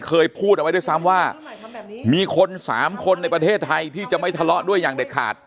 เคยพูดเอาไว้ด้วยซ้ำว่ามีคนสามคนในประเทศไทยที่จะไม่ทะเลาะด้วยอย่างเด็ดขาด